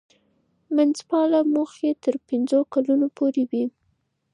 منځمهاله موخې تر پنځو کلونو پورې وي.